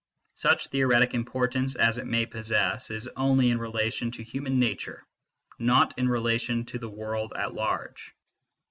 Such theoretic importance as it may possess is only in relation to human nature, not in re lation to the world at large.